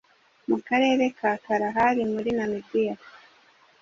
mu karere ka Kalahari muri Namibia